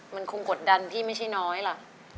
มันคงกดดันพี่ไม่ใช่น้อยล่ะ